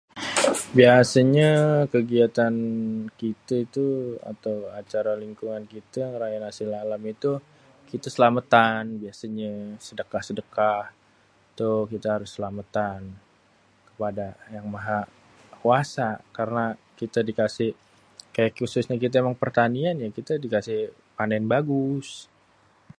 biasênyê kegiatan kitê tuh atau acara lingkungan kitê ngerayain hasil alam itu kitê slamêtan biasênyê sedekah-sedekah itu kita harus slamêtan kepada yang maha kuasa karna kitê dikasi kaya khusunyê kita emng pertanian ya kita dikasi panen bagus.